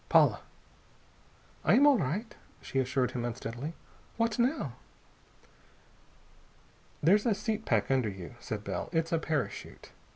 "Paula?" "I am all right," she assured him unsteadily. "What now?" "There's a seat pack under you," said Bell. "It's a parachute.